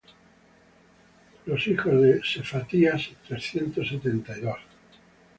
Los hijos de Sephatías, trescientos setenta y dos;